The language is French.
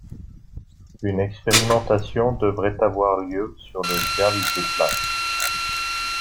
Une expérimentation devrait avoir lieu sur le Galgeplaat.